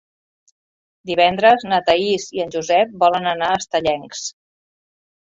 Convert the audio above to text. Divendres na Thaís i en Josep volen anar a Estellencs.